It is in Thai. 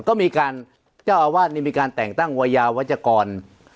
ก็มีการเจ้าอาวาสนี่มีการแต่งตั้งวัยยาวัชกร